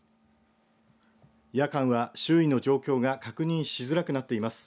夜間は周囲の状況が確認しづらくなっています。